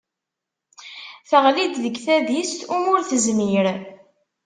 Teɣli-d deg tadist umu ur tezmir.